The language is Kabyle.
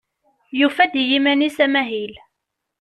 Yufa-d i yiman-is amahil.